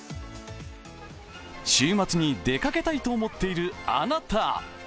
週末に出かけたいと思っているあなた。